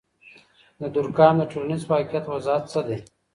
د دورکهايم د ټولنیز واقعیت وضاحت څه دی؟